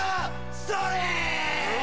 それ！